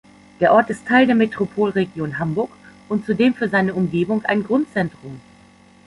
Der Ort ist Teil der Metropolregion Hamburg und zudem für seine Umgebung ein Grundzentrum.